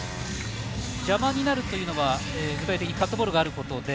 邪魔になるというのは具体的にカットボールがあることで？